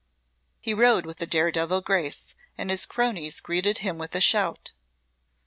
He rode with a dare devil grace, and his cronies greeted him with a shout.